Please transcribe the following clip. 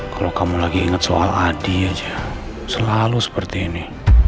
kalau kamu lagi ingat soal adi aja selalu seperti ini